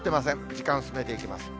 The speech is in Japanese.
時間進めていきます。